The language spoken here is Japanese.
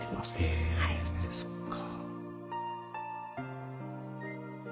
へえそっか。